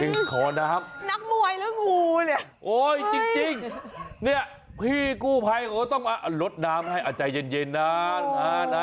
นักมวยแล้วงูเนี่ยโอ้ยจริงพี่กูภัยก็ต้องมาลดน้ำให้ใจเย็นนะ